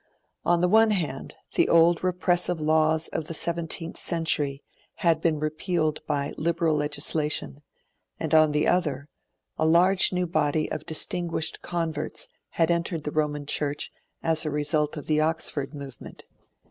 On the one hand the old repressive laws of the seventeenth century had been repealed by liberal legislation, and on the other a large new body of distinguished converts had entered the Roman Church as a result of the Oxford Movement.